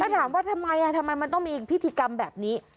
ถามว่าทำไมทำไมมันต้องมีพิธีกรรมแบบนี้